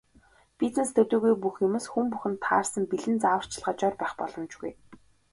Бизнес төдийгүй бүх юмс, хүн бүхэнд таарсан бэлэн зааварчилгаа, жор байх боломжгүй.